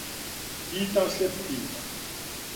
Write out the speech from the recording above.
Питам се, питам.